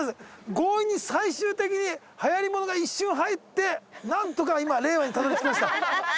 強引に最終的にはやりものが一瞬入ってなんとか今令和にたどり着きました